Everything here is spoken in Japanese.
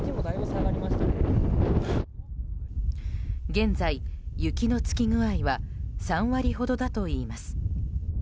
現在、雪の付き具合は３割ほどだといいます。